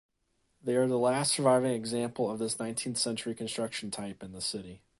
They are the last surviving example of this nineteenth-century construction type in the city.